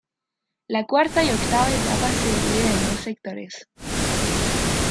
La cuarta y octava etapa se dividen en dos sectores.